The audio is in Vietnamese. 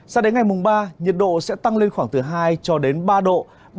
sao đến ngày mùng ba nhiệt độ sẽ tăng lên khoảng từ hai cho đến ba độ